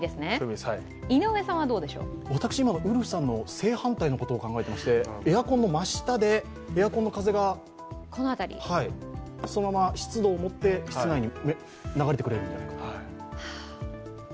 私、今のウルフさんの正反対のことを考えてまして、エアコンの真下で、エアコンの風がそのまま湿度を持って室内に流れてくれると。